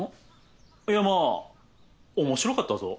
いやまあ面白かったぞ。